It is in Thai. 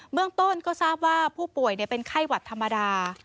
เมืองต้นก็ทราบว่าผู้ป่วยเป็นไข้หวัดธรรมดา